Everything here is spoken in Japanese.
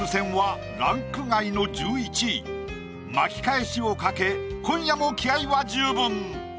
巻き返しを懸け今夜も気合いは十分。